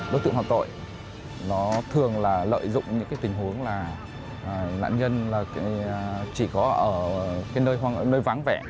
đối tượng hòa tội nó thường là lợi dụng những tình huống là nạn nhân chỉ có ở nơi vắng vẻ